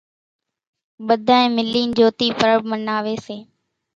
ٻڌانئين ملين جھوتي پرٻ مناوي سي۔